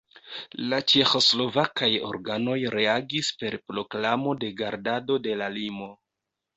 La ĉeĥoslovakaj organoj reagis per proklamo de gardado de la limo.